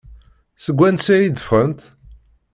Seg wansi ay d-ffɣent?